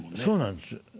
そうなんです。